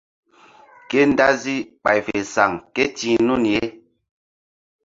Ke dazi bay fe saŋ kéti̧h nun ye.